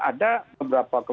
ada beberapa klausul